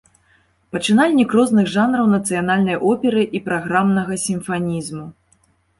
Пачынальнік розных жанраў нацыянальнай оперы і праграмнага сімфанізму.